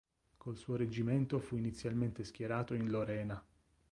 Col suo reggimento fu inizialmente schierato in Lorena.